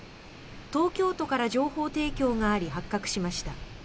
東京都から情報提供があり発覚しました。